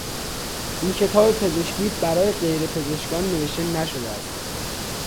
این کتاب پزشکی برای غیر پزشکان نوشته نشده است.